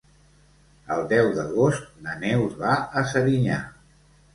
El deu d'agost na Neus va a Serinyà.